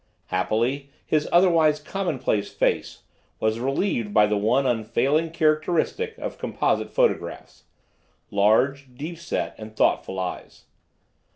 Happily, his otherwise commonplace face was relieved by the one unfailing characteristic of composite photographs, large, deep set and thoughtful eyes.